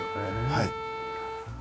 はい。